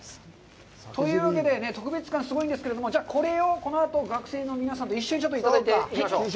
というわけで、特別感がすごいんですけども、これをこのあと、学生の皆さんと一緒にいただいていきましょう。